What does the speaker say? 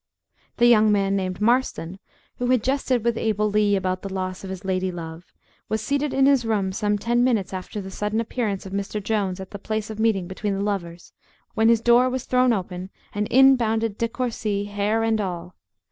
The young man named Marston, who had jested with Abel Lee about the loss of his lady love, was seated in his room some ten minutes after the sudden appearance of Mr. Jones at the place of meeting between the lovers, when his door was thrown open, and in bounded De Courci, hair and all!